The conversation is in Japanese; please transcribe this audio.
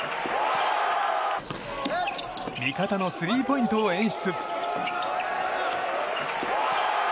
味方のスリーポイントを演出。